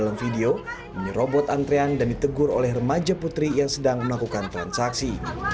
dalam video menyerobot antrean dan ditegur oleh remaja putri yang sedang melakukan transaksi